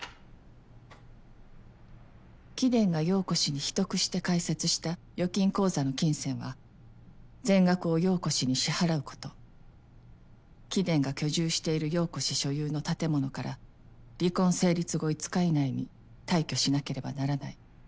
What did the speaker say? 「貴殿が陽子に秘匿して開設した預金口座の金銭は全額を陽子に支払うこと」「貴殿が居住している陽子所有の建物から離婚成立後５日以内に退去しなければならない」